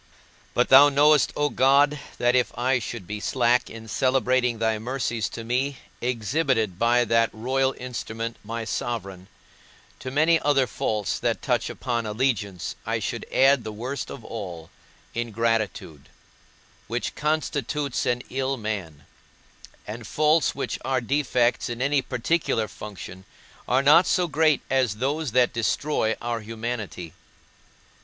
But thou knowest, O God, that if I should be slack in celebrating thy mercies to me exhibited by that royal instrument, my sovereign, to many other faults that touch upon allegiance I should add the worst of all, ingratitude, which constitutes an ill man; and faults which are defects in any particular function are not so great as those that destroy our humanity.